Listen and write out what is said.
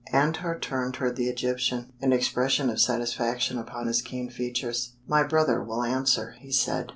Antar turned toward the Egyptian, an expression of satisfaction upon his keen features. "My brother will answer," he said.